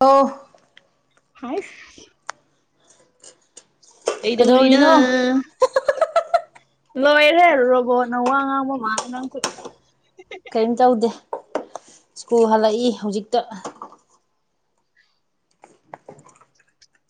ꯑꯣ ꯍꯥꯏꯁ ꯀꯩꯗꯧꯔꯤꯅꯣ ꯂꯣꯏꯔꯦꯍꯦ ꯔꯣꯕꯣꯠꯅ ꯋꯥ ꯉꯥꯡꯕ ꯃꯥꯂꯦ ꯅꯪꯁꯨ ꯀꯦꯝ ꯇꯧꯗꯦ ꯁ꯭ꯀꯨꯜ ꯍꯜꯂꯛꯏ ꯍꯧꯖꯤꯛꯇ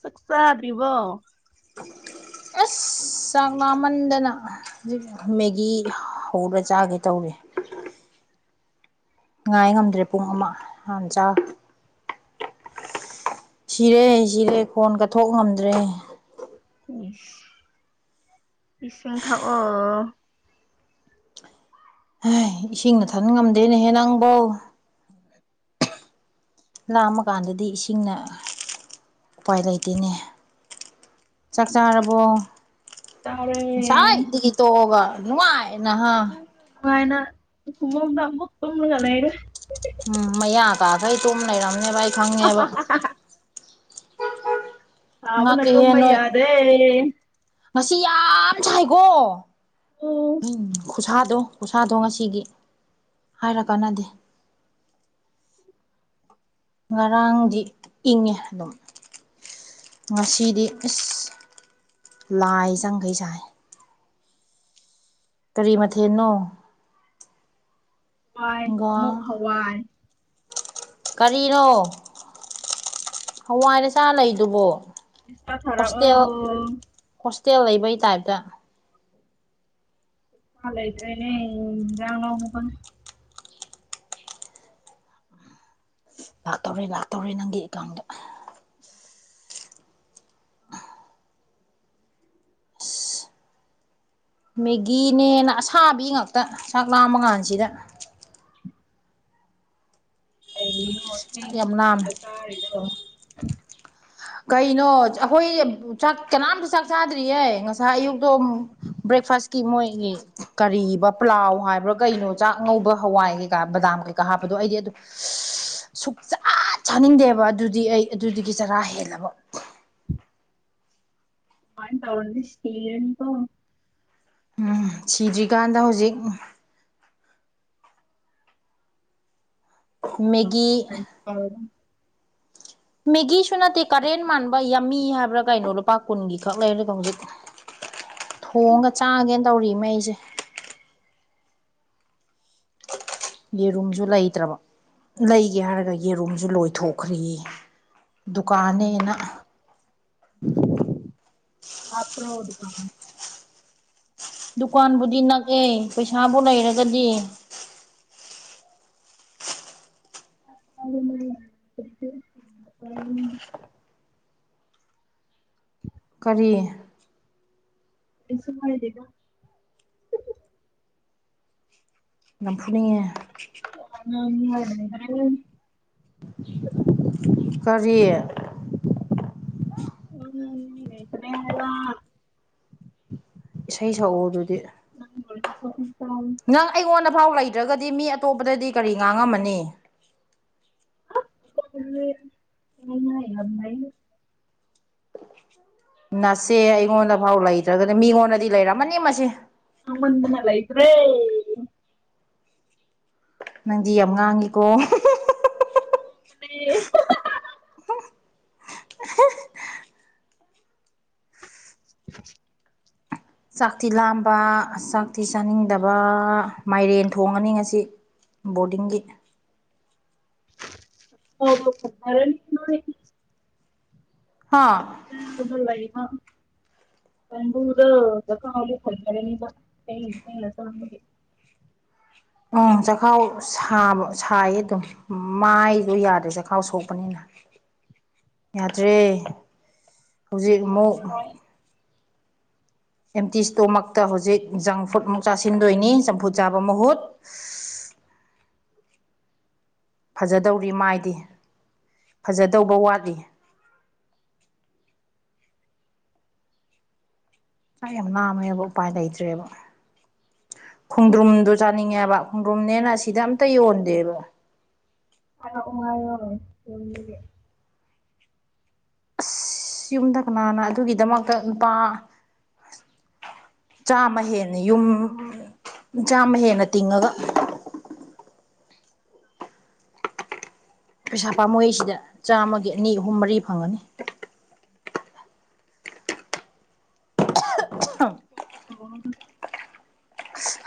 ꯆꯥꯛ ꯆꯥꯗ꯭ꯔꯤꯕꯣ ꯑꯁ ꯆꯥꯛ ꯂꯥꯝꯃꯟꯗꯅ ꯍꯧꯖꯤꯛ ꯃꯦꯒꯤ ꯍꯧꯔ ꯆꯥꯒꯦ ꯇꯧꯔꯤ ꯉꯥꯏ ꯉꯝꯗ꯭ꯔꯦ ꯄꯨꯡ ꯑꯃ ꯍꯥꯟ ꯆꯥ ꯁꯤꯔꯦ ꯁꯤꯔꯦ ꯈꯣꯟꯒ ꯊꯣꯛ ꯉꯝꯗ꯭ꯔꯦ ꯏꯁꯤꯡ ꯊꯥꯛ ꯑꯣ ꯏꯁꯤꯡꯅ ꯊꯟ ꯉꯝꯗꯦꯅꯦꯍꯦ ꯅꯪꯕꯣ ꯂꯥꯝꯃ ꯀꯥꯟꯗꯗꯤ ꯏꯁꯤꯡꯅ ꯎꯄꯥꯏ ꯂꯩꯇꯦꯅꯦ ꯆꯥꯛ ꯆꯥꯔꯕꯣ ꯆꯥꯔꯦ ꯉꯁꯥꯏꯗꯒꯤ ꯇꯣꯛꯑꯒ ꯅꯨꯡꯉꯥꯏ ꯅꯍꯥ ꯅꯨꯡꯉꯥꯏꯅ [unintelligible] ꯇꯨꯝꯂꯒ ꯂꯩꯔꯦ ꯎꯝ ꯃꯌꯥ ꯀꯥꯒꯩ ꯇꯨꯝ ꯂꯩꯔꯝꯅꯦꯕ ꯑꯩ ꯈꯪꯉꯦꯕ ꯁꯥꯕꯅ ꯉꯛꯏꯍꯦ ꯇꯨꯝꯕ ꯅꯣꯏ ꯌꯥꯗ꯭ꯔꯦ ꯉꯁꯤ ꯌꯥꯝ ꯁꯥꯏꯀꯣ ꯎꯝ ꯈꯨꯁꯥꯗꯣ ꯈꯨꯁꯥꯗꯣ ꯉꯁꯤꯒꯤ ꯍꯥꯏꯔ ꯀꯥꯟꯅꯗꯦ ꯉꯔꯥꯡꯗꯤ ꯏꯪꯉꯦ ꯑꯗꯨꯝ ꯉꯁꯤꯗꯤ ꯏꯁ ꯂꯥꯏ ꯆꯪꯈꯩ ꯁꯥꯏ ꯀꯔꯤ ꯃꯊꯦꯜꯅꯣ ꯋꯥꯏ ꯑꯃꯨꯛ ꯍꯪꯒꯥꯝ ꯍꯋꯥꯏ ꯀꯔꯤꯅꯣ ꯍꯋꯥꯏꯗ ꯆꯥ ꯂꯩꯗꯨꯕꯣ ꯄꯩꯁꯥ ꯊꯥꯔꯛꯑꯣ ꯍꯣꯁꯇꯦꯜ ꯍꯣꯁꯇꯦꯜ ꯂꯩꯕꯩ ꯇꯥꯏꯞꯇ ꯄꯩꯁꯥ ꯂꯩꯇ꯭ꯔꯦꯅꯦ ꯌꯦꯟꯁꯥꯡ ꯂꯧꯅꯕ ꯂꯥꯛꯇꯧꯔꯦ ꯂꯥꯛꯇꯧꯔꯦ ꯅꯪꯒꯤ ꯑꯦꯀꯥꯎꯟꯗ [unintelligible] [inaudible] ꯃꯦꯒꯤꯅꯦꯅ ꯑꯁꯥꯕꯤ ꯉꯥꯛꯇ ꯆꯥꯛ ꯂꯥꯝꯃ ꯀꯥꯟꯁꯤꯗ ꯀꯩꯒꯤꯅꯣ ꯆꯥꯛ ꯊꯦꯡ ꯌꯥꯝ ꯂꯥꯝꯃꯦ ꯊꯦꯡ ꯆꯥꯔꯤꯗꯣ ꯀꯩꯅꯣ ꯑꯩꯈꯣꯏ ꯆꯥꯛ ꯀꯅꯥꯝꯇ ꯆꯥꯛ ꯆꯥꯗ꯭ꯔꯤꯌꯦ ꯉꯁꯥꯏ ꯑꯌꯨꯛꯇꯣ ꯕ꯭ꯔꯦꯛꯐꯥꯁ ꯀꯤ ꯃꯣꯏꯒꯤ ꯀꯔꯤꯕ ꯄ꯭ꯂꯥꯎ ꯍꯥꯏꯕ꯭ꯔꯥ ꯀꯩꯅꯣ ꯆꯥꯛ ꯑꯉꯧꯕ ꯍꯋꯥꯏ ꯀꯩꯀꯥ ꯕꯗꯥꯝ ꯀꯩꯀꯥ ꯍꯥꯞꯄꯗꯣ ꯑꯩꯗꯤ ꯑꯗꯨ [inaudible] ꯁꯨꯛꯆꯥꯥ ꯆꯥꯅꯤꯡꯗꯦꯕ ꯑꯗꯨꯗꯤ ꯑꯩ ꯑꯗꯨꯗꯒꯤ ꯆꯔꯥ ꯍꯦꯜꯂꯕ ꯑꯃꯥꯢ ꯇꯧꯔꯗꯤ ꯁꯤꯅꯤ ꯀꯣ ꯎꯝ ꯁꯤꯗ꯭ꯔꯤꯀꯥꯟꯗ ꯍꯧꯖꯤꯛ ꯎꯝ ꯃꯦꯒꯤ ꯑꯥꯎ ꯃꯦꯒꯤꯁꯨ ꯅꯠꯇꯦ ꯀꯔꯦꯟ ꯃꯥꯟꯕ ꯌꯝꯃꯤ ꯍꯥꯏꯕ꯭ꯔꯥ ꯀꯩꯅꯣ ꯂꯨꯄꯥ ꯀꯨꯟꯒꯤ ꯈꯛ ꯂꯩꯔꯒ ꯍꯧꯖꯤꯛ ꯊꯣꯡꯉ ꯆꯥꯒꯦꯅ ꯇꯧꯔꯤ ꯃꯤ ꯑꯩꯁꯦ ꯌꯦꯔꯨꯝꯁꯨ ꯂꯩꯇ꯭ꯔꯥꯕ ꯂꯩꯒꯦ ꯍꯥꯏꯔꯒ ꯌꯦꯔꯨꯝꯖꯨ ꯂꯣꯏꯊꯣꯛꯈ꯭ꯔꯦꯌꯦ ꯗꯨꯀꯥꯟꯅꯦꯅ [unintelligible] ꯗꯨꯀꯥꯟ ꯗꯨꯀꯥꯟꯕꯨꯗꯤ ꯅꯛꯑꯦ ꯄꯩꯁꯥꯕꯨ ꯂꯩꯔꯒꯗꯤ [unintelligible] ꯀꯔꯤ ꯀꯩꯁꯨ ꯍꯥꯏꯗꯦꯗ ꯌꯥꯝ ꯐꯨꯅꯤꯡꯉꯦ [unintelligible] ꯀꯔꯤ [unintelligible] ꯏꯁꯩ ꯁꯛꯎ ꯑꯗꯨꯗꯤ ꯅꯪ ꯑꯣꯏꯅ ꯁꯛꯑꯣ ꯇꯥꯏ ꯅꯪ ꯑꯩꯉꯣꯟꯗꯐꯥꯎ ꯂꯩꯇ꯭ꯔꯒꯗꯤ ꯃꯤ ꯑꯇꯣꯞꯄꯗꯗꯤ ꯀꯔꯤ ꯉꯥꯡꯉꯝꯃꯅꯤ [unintelligible] ꯑꯣꯟꯅꯔꯝꯒꯅꯤ ꯅꯆꯦ ꯑꯩꯉꯣꯟꯗꯐꯥꯎ ꯂꯩꯇ꯭ꯔꯒꯗꯤ ꯃꯤꯉꯣꯟꯗꯗꯤ ꯂꯩꯔꯝꯃꯅꯤ ꯃꯁꯦ ꯉꯥꯡꯃꯟꯗꯅ ꯂꯩꯇ꯭ꯔꯦ ꯅꯪꯗꯤ ꯌꯥꯝ ꯉꯥꯡꯉꯤꯀꯣ ꯄꯦ [inaudible] ꯆꯥꯛ ꯇꯤ ꯂꯥꯝꯕ ꯆꯥꯛ ꯇꯤ ꯆꯥꯅꯤꯡꯗꯕ ꯃꯥꯏꯔꯦꯟ ꯊꯣꯡꯉꯅꯤ ꯉꯁꯤ ꯕꯣꯔꯗꯤꯡꯒꯤ [unintelligible] ꯍꯥꯥ [unintelligible] [unintelligible] ꯎꯝ ꯆꯈꯥꯎ ꯁꯥꯕ ꯁꯥꯏꯌꯦ ꯑꯗꯨꯝ ꯃꯥꯏꯗꯣ ꯌꯥꯗꯦ ꯆꯈꯥꯎ ꯁꯣꯛꯄꯅꯤꯅ ꯌꯥꯗ꯭ꯔꯦ ꯍꯧꯖꯤꯛ ꯑꯃꯨꯛ ꯑꯣꯏꯔꯔꯣꯏ ꯑꯦꯝꯇꯤ ꯁ꯭ꯇꯣꯃꯥꯛꯇ ꯍꯧꯖꯤꯛ ꯖꯪ ꯐꯨꯗꯃꯨꯛ ꯆꯥꯁꯤꯟꯗꯣꯏꯅꯤ ꯆꯝꯐꯨꯠ ꯆꯥꯕ ꯃꯍꯨꯠ ꯐꯖꯗꯧꯔꯤ ꯃꯥꯏꯗꯤ ꯐꯖꯗꯧꯕ ꯋꯥꯠꯂꯤ ꯥꯆꯥꯛ ꯌꯥꯝ ꯂꯥꯝꯃꯦꯕ ꯎꯄꯥꯏ ꯂꯩꯇ꯭ꯔꯦꯕ ꯈꯣꯡꯗ꯭ꯔꯨꯝꯗꯨ ꯆꯥꯅꯤꯡꯉꯦꯕ ꯈꯣꯡꯗ꯭ꯔꯨꯝꯅꯦꯅ ꯑꯁꯤꯗ ꯑꯝꯇ ꯌꯣꯟꯗꯦꯕ ꯍꯥꯏꯔꯛꯑꯣ ꯍꯥꯏꯑꯣ ꯌꯨꯝꯕꯗꯒꯤ ꯑꯁ ꯌꯨꯝꯗ ꯀꯅꯥꯟꯅ ꯑꯗꯨꯒꯤꯗꯃꯛꯇ ꯅꯨꯄꯥ ꯆꯥꯝꯃ ꯍꯦꯟꯅ ꯌꯨꯝ ꯆꯥꯝꯃ ꯍꯦꯟꯅ ꯇꯤꯡꯉꯒ ꯄꯩꯁꯥ ꯄꯥꯝꯃꯨꯏꯁꯤꯗ ꯆꯥꯝꯃꯒꯤ ꯑꯅꯤ ꯑꯍꯨꯝ ꯃꯔꯤ ꯐꯪꯉꯅꯤ [unintelligible]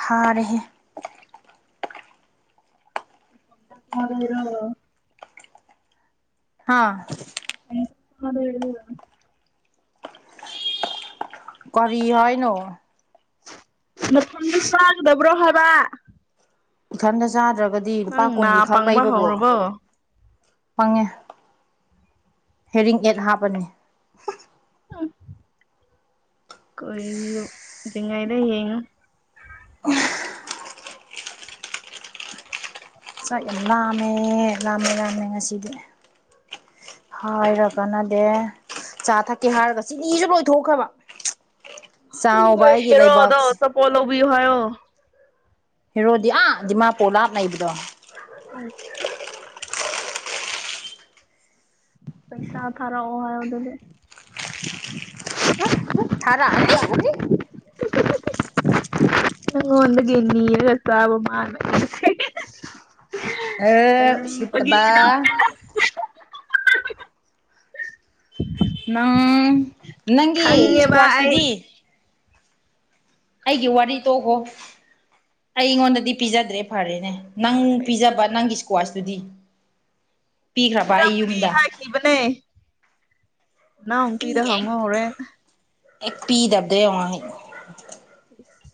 ꯍꯥꯔꯦꯍꯦ ꯍꯥꯕꯩꯔꯣ ꯍꯥꯥ ꯍꯥꯕꯩꯔꯣ ꯀꯔꯤ ꯍꯥꯏꯅꯣ ꯃꯄꯥꯟꯗ ꯆꯥꯒꯗꯧꯕ꯭ꯔꯣ ꯍꯥꯏꯕ ꯏꯊꯟꯗ ꯆꯥꯗ꯭ꯔꯒꯗꯤ ꯂꯨꯄꯥ ꯅꯪ ꯅꯥ ꯀꯨꯟꯒꯤ ꯈꯛ ꯄꯪꯕ ꯂꯩꯕꯕꯨ ꯍꯧꯔꯕꯣ ꯐꯪꯉꯦ ꯍꯦꯔꯤꯡ ꯑꯦꯠ ꯍꯥꯞꯄꯅꯤ [inaudible] ꯑꯩꯌꯣ ꯎꯗ꯭ꯔꯤꯉꯥꯏꯗ ꯌꯦꯉꯣ [unintelligible] ꯆꯥꯛ ꯌꯥꯝ ꯂꯥꯝꯃꯦ ꯂꯥꯝꯃꯦ ꯂꯥꯝꯃꯦ ꯉꯁꯤꯗꯤ ꯍꯥꯏꯔ ꯀꯥꯟꯅꯗꯦ ꯆꯥ ꯊꯛꯀꯦ ꯍꯥꯏꯔꯒ ꯆꯤꯅꯤꯁꯨ ꯂꯣꯏꯊꯣꯛꯈ꯭ꯔꯕ ꯆꯥꯎꯕ ꯅꯣꯏ ꯑꯩꯒꯤ ꯍꯦꯔꯣꯗꯣ ꯂꯩꯕꯥꯛꯁꯦ ꯑꯆꯥꯄꯣꯠ ꯂꯧꯕꯤꯌꯨ ꯍꯥꯏꯌꯣ ꯍꯦꯔꯣꯗꯤ ꯑꯥ ꯗꯤꯃꯥꯄꯨꯔ ꯂꯥꯞꯅ ꯂꯩꯕꯗꯣ ꯑꯩꯁ ꯄꯩꯁꯥ ꯊꯥꯔꯛꯑꯣ ꯍꯥꯏꯑꯣ ꯑꯗꯨꯗꯤ ꯊꯥꯔꯛꯑꯅꯤ [unintelligible] ꯑꯩꯉꯣꯟꯗꯒꯤ ꯅꯤꯔꯒ ꯆꯥꯕ ꯃꯥꯅ ꯑꯦ ꯐꯒꯤ ꯎꯁꯤꯠꯇꯕ ꯇꯧꯕꯅꯦ ꯅꯥ꯬꯬ꯅꯪꯒꯤ ꯈꯪꯉꯦꯕ ꯑꯩ ꯏꯁꯀ꯭ꯋꯥꯁꯇꯨꯗꯤ ꯑꯩꯒꯤ ꯋꯥꯔꯤ ꯇꯣꯛꯈꯣ ꯑꯩꯉꯣꯟꯗꯗꯤ ꯄꯤꯖꯗ꯭ꯔꯦ ꯐꯔꯦꯅꯦ ꯅꯪ ꯄꯤꯖꯕ ꯅꯪꯒꯤ ꯏꯁ꯭ꯀ꯭ꯋꯥꯁꯇꯨꯗꯤ ꯏꯔꯝꯒꯅꯤ ꯍꯥꯏꯈꯤꯕꯅꯦ ꯄꯤ ꯏꯅꯥꯎꯅꯨꯄꯤꯗ ꯑꯦ ꯍꯪꯉꯣ ꯍꯣꯔꯦꯟ ꯍꯦꯛ ꯄꯤꯗꯕꯗ ꯌꯦꯡꯉꯣ ꯑꯩ ꯏꯁ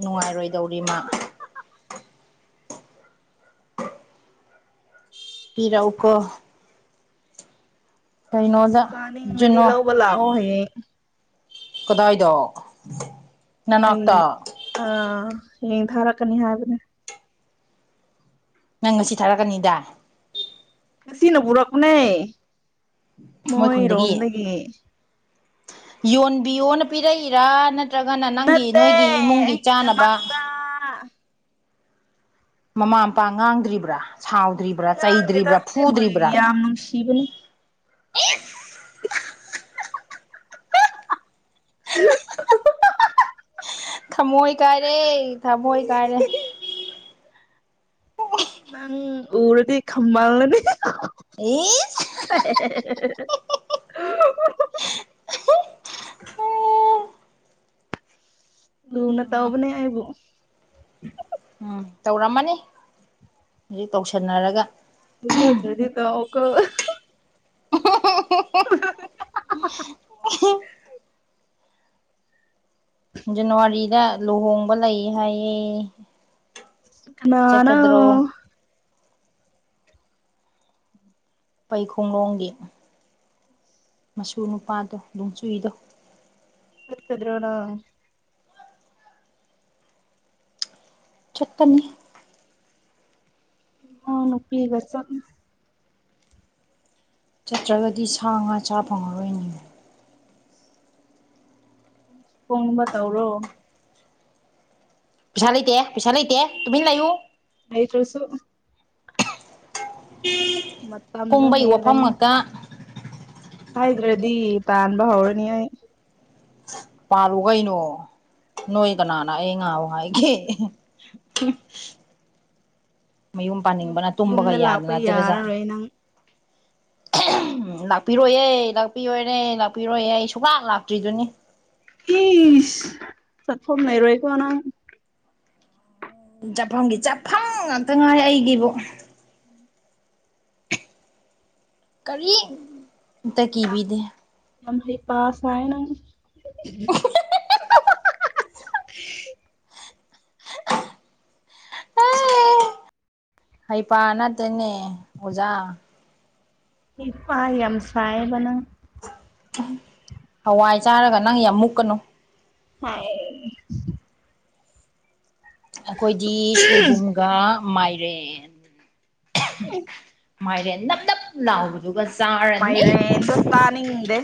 ꯅꯨꯡꯉꯥꯏꯔꯣꯏꯗꯧꯔꯤ ꯃꯥ ꯄꯤꯔꯛꯎꯀꯣ ꯀꯩꯅꯣꯗ ꯆꯥꯅꯤꯡꯉꯗꯤ ꯖꯨꯅꯣ ꯂꯧꯕ ꯂꯥꯛꯑꯣ ꯍꯌꯦꯡ ꯀꯗꯥꯏꯗ ꯑꯩ ꯅꯅꯥꯛꯇ ꯑꯥ ꯍꯌꯦꯡ ꯊꯥꯔꯛꯀꯅꯤ ꯍꯥꯏꯕꯅꯦ ꯅꯪ ꯉꯁꯤ ꯊꯥꯔꯛꯀꯅꯤꯗꯥꯏ ꯉꯁꯤꯅ ꯄꯨꯔꯛꯄꯅꯦ ꯃꯣꯏ ꯈꯨꯟꯗꯒꯤ ꯃꯣꯏꯔꯣꯝꯗꯒꯤ ꯌꯣꯟꯕꯤꯌꯣꯅ ꯄꯤꯔꯛꯏꯔꯥ ꯅꯠ ꯅꯠꯇ꯭ꯔꯒꯅ ꯅꯪꯒꯤ ꯅꯠꯇꯦ ꯅꯣꯏꯒꯤ ꯏꯃꯨꯡꯒꯤ ꯆꯥꯅꯕ ꯑꯩꯒꯤꯗꯃꯛꯇ ꯃꯃꯥ ꯃꯄꯥ ꯉꯥꯡꯗ꯭ꯔꯤꯕ꯭ꯔꯥ ꯁꯥꯎꯗ꯭ꯔꯤꯕ꯭ꯔꯥ ꯉꯥꯡꯗꯦꯗ ꯆꯩꯗ꯭ꯔꯤꯕ꯭ꯔꯥ ꯑꯩꯕꯨ ꯐꯨꯗ꯭ꯔꯤꯕ꯭ꯔꯥ ꯌꯥꯝ ꯅꯨꯡꯁꯤꯕꯅꯤ [unintelligible] [unintelligible] ꯊꯝꯃꯣꯏ ꯀꯥꯏꯔꯦ ꯊꯝꯃꯣꯏ ꯀꯥꯏꯔꯦ ꯅꯪ ꯎꯔꯗꯤ ꯈꯝꯕꯜꯂꯥꯅꯤ [unintelligible] ꯍꯦ ꯍꯦ ꯍꯨ ꯍꯨ ꯂꯨꯅ ꯇꯧꯕꯅꯦ ꯑꯩꯕꯨ ꯎꯝ ꯇꯧꯔꯝꯃꯅꯤ ꯍꯧꯖꯤꯛ ꯇꯧꯁꯟꯅꯔꯒꯥ ꯄꯤꯖꯗ꯭ꯔꯥꯗꯤ ꯇꯧꯀꯣ ꯍꯥꯍꯤꯍꯥ ꯖꯅꯨꯋꯥꯔꯤꯗ ꯂꯨꯍꯣꯡꯕ ꯂꯩ ꯍꯥꯏꯌꯦ ꯀꯅꯥꯅꯣ ꯆꯠꯀꯗ꯭ꯔꯣ ꯄꯩ ꯈꯣꯡꯂꯣꯡꯒꯤ ꯃꯁꯨ ꯅꯨꯄꯥꯗꯣ ꯅꯣꯡꯆꯨꯏꯗꯣ ꯆꯠꯀꯗ꯭ꯔꯣ ꯅꯪ ꯆꯠꯀꯅꯤ ꯏꯅꯥꯎꯅꯨꯄꯤꯒ ꯆꯠꯅꯤ ꯆꯠꯇ꯭ꯔꯒꯗꯤ ꯁꯥ ꯉꯥ ꯆꯥ ꯐꯪꯉꯔꯣꯏꯅꯦ ꯄꯣꯡꯕ ꯇꯧꯔꯣ ꯄꯩꯁꯥ ꯂꯩꯇꯦ ꯄꯩꯁꯥ ꯂꯩꯇꯦ ꯇꯨꯃꯤꯟ ꯂꯩꯌꯨ ꯂꯩꯇ꯭ꯔꯥꯁꯨ ꯃꯇꯝꯗꯣ ꯀꯨꯝꯕꯩ ꯋꯥꯐꯝ ꯍꯦꯜꯂꯅꯤ ꯉꯥꯛꯇ ꯍꯥꯏꯗ꯭ꯔꯗꯤ ꯇꯥꯟꯕ ꯍꯧꯔꯅꯤ ꯑꯩ ꯇꯥꯜꯂꯨ ꯀꯩꯅꯣ ꯅꯣꯏ ꯀꯅꯥꯅ ꯑꯩ ꯉꯥꯎ ꯍꯥꯏꯒꯦ [unintelligible] ꯃꯌꯨꯝ ꯌꯨꯝ ꯄꯥꯅꯤꯡꯕꯅ ꯇꯨꯝꯕꯒ ꯌꯨꯝꯗ ꯂꯥꯛꯄ ꯌꯥꯗꯅꯖꯔꯖꯥꯠ ꯌꯥꯔꯔꯣꯏ ꯅꯪ ꯑꯍꯝ ꯂꯥꯛꯄꯤꯔꯣꯏꯌꯦ ꯂꯥꯛꯄꯤꯔꯣꯏꯔꯦ ꯂꯥꯛꯄꯤꯔꯣꯏꯌꯦ ꯑꯩ ꯁꯨꯛꯂꯥꯛ ꯂꯥꯛꯇ꯭ꯔꯤꯗꯨꯅꯤ ꯏꯁ ꯆꯠꯐꯝ ꯂꯩꯔꯣꯏꯀꯣꯅꯪ ꯆꯠꯐꯝꯒꯤ ꯆꯠꯐꯝ ꯉꯥꯛꯇ ꯉꯥꯏ ꯑꯩꯒꯤꯕꯨ ꯀꯔꯤꯝꯇ ꯀꯤꯕꯤꯗꯦ ꯌꯥꯝ ꯍꯩꯄꯥ ꯁꯥꯏꯌꯦ ꯅꯪꯁꯤ ꯍꯩꯄꯥ ꯅꯠꯇꯦꯅꯦ ꯑꯣꯖꯥ ꯍꯩꯄꯥ ꯌꯥꯝ ꯁꯥꯏꯌꯦꯕꯅꯪ ꯍꯋꯥꯏ ꯆꯥꯔꯒ ꯅꯪ ꯌꯥꯝ ꯃꯨꯛꯀꯅꯨ ꯍꯥꯏꯁ ꯑꯩꯈꯣꯏꯗꯤ ꯁꯣꯏꯕꯨꯝꯒ ꯃꯥꯏꯔꯦꯟ [unintelligible] ꯃꯥꯏꯔꯦꯟ ꯅꯞ ꯅꯞ ꯂꯥꯎꯕꯟ ꯗꯨꯒ ꯆꯥꯔ ꯃꯥꯏꯔꯦꯟꯗꯣ ꯆꯥꯅꯤꯡꯗꯦ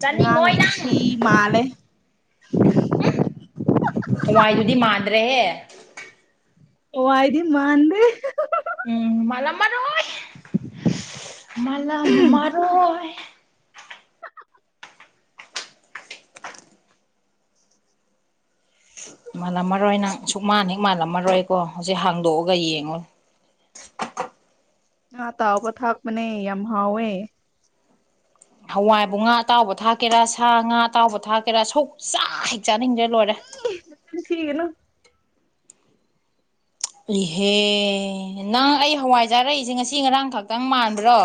ꯆꯥꯅꯤꯡꯉꯣꯏ ꯑꯉꯥꯡꯒꯤ ꯅꯪ ꯊꯤ ꯃꯥꯜꯂꯦ ꯍꯋꯥꯏꯗꯨꯗꯤ ꯃꯥꯟꯗ꯭ꯔꯦꯍꯦ ꯑꯣ ꯍꯥꯏꯥꯏꯗꯤ ꯃꯥꯥꯟꯗꯦ ꯎꯝ ꯃꯥꯂ ꯃꯔꯔꯣꯏ ꯃꯥꯂ ꯃꯔꯔꯣꯏꯑꯣꯏ ꯃꯥꯜꯂꯝꯃꯔꯣꯏ ꯅꯪ ꯁꯨꯃꯥꯟꯅ ꯍꯦꯛ ꯃꯥꯜꯂꯝꯃꯔꯣꯏꯀꯣ ꯍꯧꯖꯤꯛ ꯍꯥꯡꯗꯣꯛꯑꯒ ꯌꯦꯡꯉꯣ ꯑꯥ ꯇꯥꯎꯕ ꯊꯥꯛꯄꯅꯦ ꯌꯥꯝ ꯍꯥꯎꯋꯦ ꯍꯋꯥꯏꯕꯨ ꯉꯥ ꯑꯇꯥꯎꯕ ꯊꯥꯛꯀꯦꯔꯥ ꯁꯥ ꯉꯥ ꯑꯇꯥꯎꯕ ꯊꯥꯛꯀꯦꯔꯥ ꯁꯨꯛꯆ ꯍꯦꯛ ꯆꯥꯅꯤꯡꯗꯦ ꯂꯣꯏꯔꯦ ꯅꯨꯡꯁꯤꯒꯅꯨ ꯏꯍꯦ ꯅꯪ ꯑꯩ ꯍꯋꯥꯏ ꯆꯥꯔꯛꯏꯁꯦ ꯉꯁꯤ ꯉꯔꯥꯡ ꯈꯛꯇꯪ ꯃꯥꯟꯕ꯭ꯔꯣ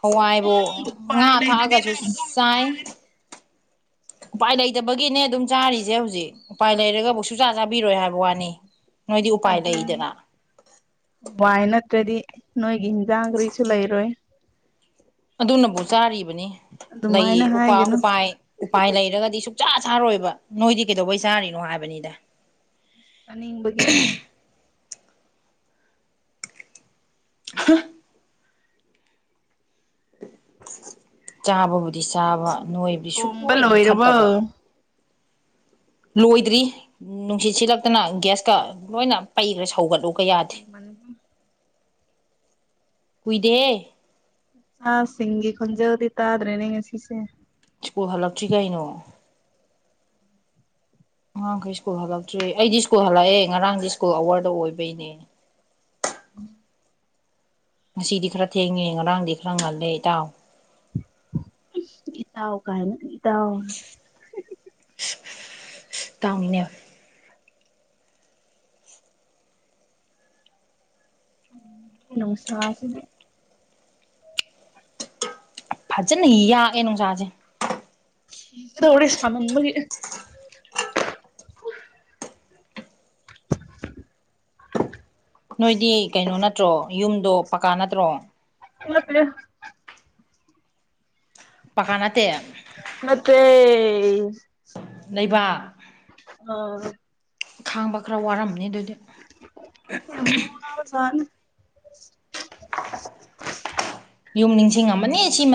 ꯍꯋꯥꯏꯕꯨ ꯉꯥ ꯎꯄꯥꯏ ꯂꯩꯗꯨꯗꯤ ꯊꯥꯛꯑꯒꯁꯨ ꯅꯪ ꯑꯗꯨꯝ ꯆꯥꯏ ꯆꯥꯒꯅꯤ ꯎꯄꯥꯏ ꯂꯩꯇꯕꯒꯤꯅꯦ ꯑꯗꯨꯝ ꯆꯥꯔꯤꯁꯦ ꯍꯧꯖꯤꯛ ꯎꯄꯥꯏ ꯂꯩꯔꯒꯕꯨ ꯁꯨꯛꯆꯥ ꯆꯥꯕꯤꯔꯣꯏ ꯍꯥꯏꯕ ꯋꯥꯅꯤ ꯅꯣꯏꯗꯤ ꯎꯄꯥꯏ ꯑꯗꯨꯅꯦ ꯂꯩꯗꯅ ꯍꯋꯥꯏ ꯅꯠꯇ꯭ꯔꯗꯤ ꯅꯣꯏꯒꯤ ꯏꯟꯖꯥꯡ ꯀꯔꯤꯁꯨ ꯂꯩꯔꯣꯏ ꯑꯗꯨꯅꯕꯨ ꯆꯥꯔꯤꯕꯅꯤ ꯂꯩꯏ ꯑꯗꯨꯃꯥꯏꯅ ꯎꯄꯥꯏ ꯍꯥꯏꯒꯅꯨ ꯎꯄꯥꯏ ꯎꯄꯥꯏ ꯂꯩꯔꯒꯗꯤ ꯁꯨꯡꯛꯆꯥ ꯆꯥꯔꯣꯏꯕ ꯅꯣꯏꯗꯤ ꯀꯩꯗꯧꯕꯩ ꯆꯥꯔꯤꯅꯣ ꯍꯥꯏꯕꯅꯤꯗ ꯆꯥꯅꯤꯡꯕꯒꯤ [inaudible] ꯆꯥꯕꯕꯨꯗꯤ ꯆꯥꯕ ꯅꯣꯏꯕꯗꯤ ꯊꯣꯡꯕ ꯁꯨꯛꯅꯣꯏ ꯂꯣꯏꯔꯕꯣ ꯅꯣꯏꯈꯠꯇꯕ ꯂꯣꯏꯗ꯭ꯔꯤ ꯅꯨꯡꯁꯤꯠ ꯁꯤꯜꯂꯛꯇꯅ ꯒ꯭ꯌꯥꯁꯀ ꯂꯣꯏꯅ ꯄꯩꯒ꯭ꯔꯦ ꯁꯧꯒꯠꯂꯨ ꯀꯌꯥꯗ ꯀꯨꯏꯗꯦ ꯑꯉꯥꯡ ꯁꯤꯡꯒꯤ ꯈꯣꯟꯖꯦꯜꯗꯤ ꯇꯥꯗ꯭ꯔꯦꯅꯦ ꯉꯁꯤꯁꯦ ꯁ꯭ꯀꯨꯜ ꯍꯜꯂꯛꯇ꯭ꯔꯤ ꯀꯩꯅꯣ ꯑꯉꯥꯡꯈꯩ ꯁ꯭ꯀꯨꯜ ꯍꯜꯂꯛꯇ꯭ꯔꯤ ꯑꯩꯗꯤ ꯁ꯭ꯀꯨꯜ ꯍꯜꯂꯛꯑꯦ ꯉꯔꯥꯡꯗꯤ ꯁ꯭ꯀꯨꯜ ꯑꯋꯥꯔꯗ ꯑꯣꯏꯕꯩꯅꯦ [inaudible] ꯉꯁꯤꯗꯤ ꯈꯔ ꯊꯦꯡꯉꯦ ꯉꯔꯥꯡꯗꯤ ꯈꯔ ꯉꯜꯂꯦ ꯏꯇꯥꯎ ꯏꯇꯥꯎ ꯀꯥꯏꯅ ꯏꯇꯥꯎ ꯏꯇꯥꯎꯅꯤꯅꯦ ꯅꯨꯡꯁꯥ ꯁꯤꯗꯤ ꯐꯖꯅ ꯌꯥꯛꯑꯦ ꯅꯨꯡꯁꯥꯁꯦ ꯁꯤꯗꯧꯔꯦ ꯁꯥꯃꯟꯕꯒꯤ ꯅꯣꯏꯗꯤ ꯀꯩꯅꯣ ꯅꯠꯇ꯭ꯔꯣ ꯌꯨꯝꯗꯣ ꯄꯀꯥ ꯅꯠꯇ꯭ꯔꯣ ꯅꯠꯇꯦ ꯄꯥꯀꯥ ꯅꯠꯇꯦ ꯅꯠꯇꯦ ꯂꯩꯕꯥꯛ ꯑ ꯈꯥꯡꯕ ꯈꯔ ꯋꯥꯔꯝꯅꯤ ꯑꯗꯨꯗꯤ ꯌꯥꯝ ꯋꯥꯕꯖꯥꯠꯅꯤ ꯌꯨꯝ ꯅꯤꯡꯁꯤꯡ ꯉꯝꯃꯅꯤ ꯁꯤ